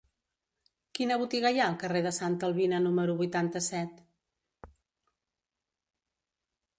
Quina botiga hi ha al carrer de Santa Albina número vuitanta-set?